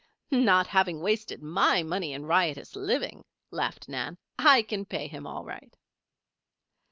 "Not having wasted my money in riotous living," laughed Nan, "I can pay him all right."